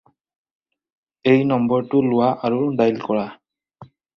এই নম্বৰটো লোৱা আৰু ডাইল কৰা।